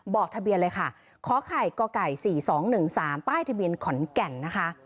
ทะเบียนเลยค่ะขอไข่กไก่๔๒๑๓ป้ายทะเบียนขอนแก่นนะคะ